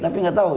tapi nggak tau